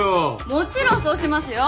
もちろんそうしますよ！